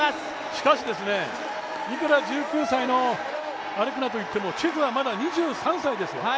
しかし、いくら１９歳のアレクナといってもチェフはまだ２３歳ですよ